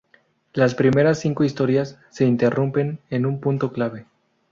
Las primeras cinco historias se interrumpen en un punto clave.